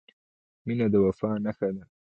• مینه د وفا نښه ده.